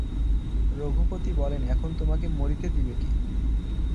রঘুপতি বলেন, এখন তোমাকে মরিতে দিবে কে?